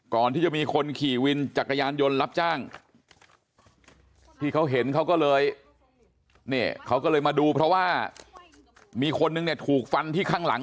ก่อนที่จะมีคนขี่วินจักรยานยนต์รับจ้างที่เขาเห็นเขาก็เลยเนี่ยเขาก็เลยมาดูเพราะว่ามีคนนึงเนี่ยถูกฟันที่ข้างหลัง